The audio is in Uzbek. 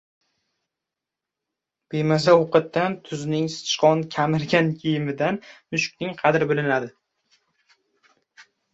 • Bemaza ovqatdan — tuzning, sichqon kemirgan kiyimdan mushukning qadri bilinadi.